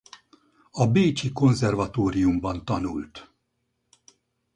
A bécsi konzervatóriumban tanult.